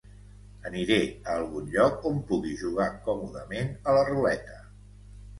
Aniré a algun lloc on pugui jugar còmodament a la ruleta.